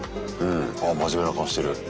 あ真面目な顔してる。